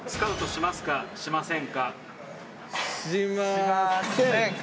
しません！